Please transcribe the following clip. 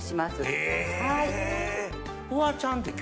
へぇ。